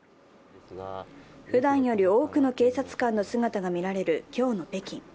ふだんより多くの警察官の姿が見られる今日の北京。